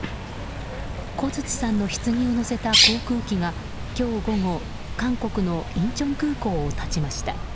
小槌さんのひつぎを乗せた航空機が今日午後韓国のインチョン空港を発ちました。